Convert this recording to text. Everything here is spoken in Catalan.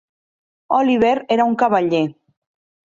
Oliver era un cavaller.